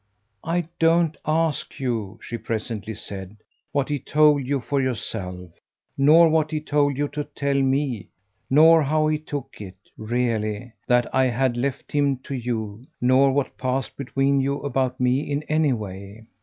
"I don't ask you," she presently said, "what he told you for yourself, nor what he told you to tell me, nor how he took it, really, that I had left him to you, nor what passed between you about me in any way.